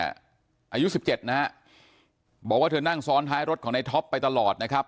อายุ๑๗นะฮะบอกว่าเธอนั่งซ้อนท้ายรถของในท็อปไปตลอดนะครับ